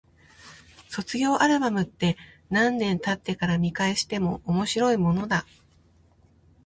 卒業アルバムって、何年経ってから見返しても面白いものだ。